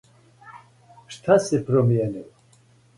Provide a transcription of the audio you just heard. Шта се промијенило?